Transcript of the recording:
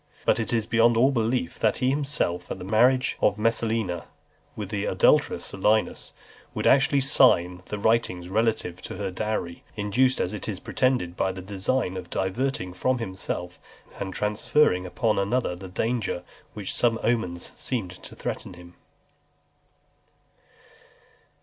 But it is beyond all belief, that he himself, at the marriage of Messalina with the adulterous Silius, should actually sign the writings relative to her dowry; induced, as it is pretended, by the design of diverting from himself and transferring upon another the danger which some omens seemed to threaten him.